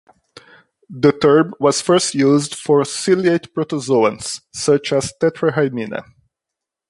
The term was first used for ciliate protozoans such as "Tetrahymena".